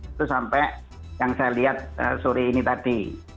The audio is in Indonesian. itu sampai yang saya lihat sore ini tadi